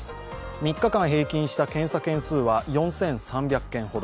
３日間平均した検査件数は４３００件ほど。